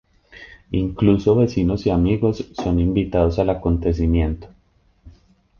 Incluso vecinos y amigos son invitados al acontecimiento.